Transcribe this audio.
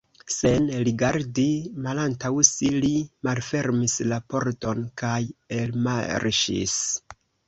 Sen rigardi malantaŭ si, li malfermis la pordon kaj elmarŝis.